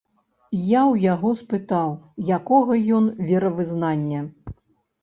Я ў яго спытаў, якога ён веравызнання.